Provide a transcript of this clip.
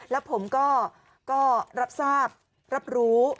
แล้วผมก็รับทราบรับรู้